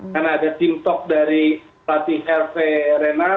karena ada tim tok dari latih rv renat